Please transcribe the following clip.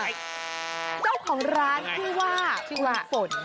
เจ้าของร้านชื่อว่า